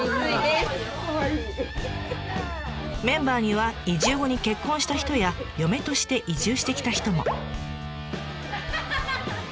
メンバーには移住後に結婚した人や嫁として移住してきた人も。